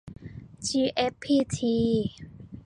จีเอฟพีที